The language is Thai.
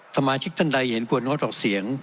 สมาชิกท่านใดเห็นควรงดออกเสียง